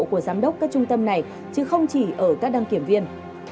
của giám đốc các trung tâm này chứ không chỉ ở các đăng kiểm viên